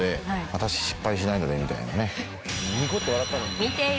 「私、失敗しないので」みたいなね。